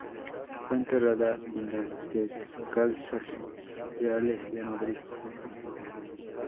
Fue enterrada en las Descalzas Reales de Madrid.